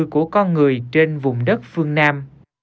của con người trên vùng đất phương nam